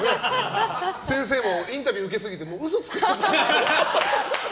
先生もインタビュー受けすぎて嘘つくようになってる。